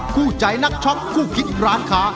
คู่ใจนักช็อคคู่คิดร้านค้า